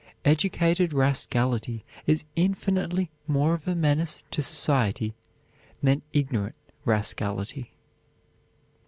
Educated rascality is infinitely more of a menace to society than ignorant rascality.